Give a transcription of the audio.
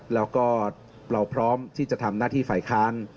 แล้วก็เราพร้อมที่จะทำหน้าที่ฝ่ายค้าน